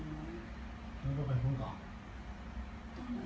อาทิตย์ไม่เหมือนตู้แดงนะ